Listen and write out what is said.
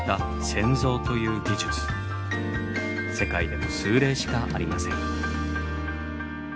世界でも数例しかありません。